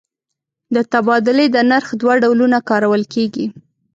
د تبادلې د نرخ دوه ډولونه کارول کېږي.